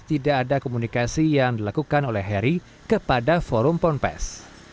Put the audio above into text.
pimpinan heri berlokasi yang dilakukan oleh heri kepada forum pompas